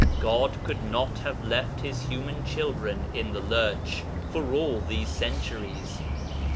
God could not have left his human children in the lurch for all these centuries.